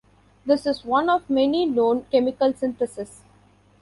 This is one of many known chemical syntheses.